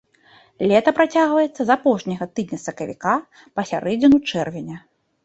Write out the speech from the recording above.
Лета працягваецца з апошняга тыдня сакавіка па сярэдзіну чэрвеня.